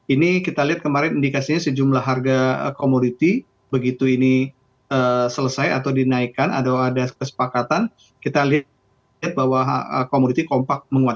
ini kita lihat kemarin indikasinya sejumlah harga komoditi begitu ini selesai atau dinaikkan atau ada kesepakatan kita lihat bahwa komoditi kompak menguat